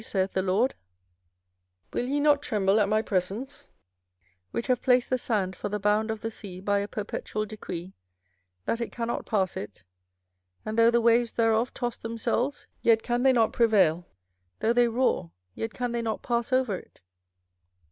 saith the LORD: will ye not tremble at my presence, which have placed the sand for the bound of the sea by a perpetual decree, that it cannot pass it: and though the waves thereof toss themselves, yet can they not prevail; though they roar, yet can they not pass over it?